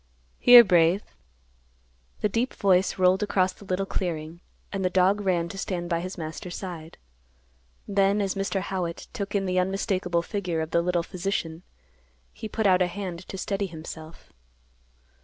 "Here, Brave." The deep voice rolled across the little clearing, and the dog ran to stand by his master's side. Then, as Mr. Howitt took in the unmistakable figure of the little physician, he put out a hand to steady himself.